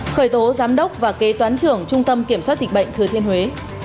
khởi tố giám đốc và kế toán trưởng trung tâm kiểm soát dịch bệnh thừa thiên huế